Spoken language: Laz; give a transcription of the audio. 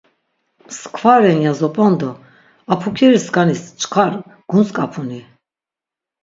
Mskva ren ya zop̆on do a pukiriskanis çkar guntzk̆apuni?